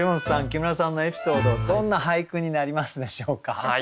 木村さんのエピソードどんな俳句になりますでしょうか？